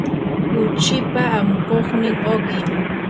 kuchipa amukuqnin uqim.